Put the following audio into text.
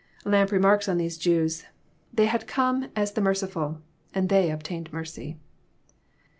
Lampe remarks on these Jews :" They had come as the mer ciftil, and they obtained mercy."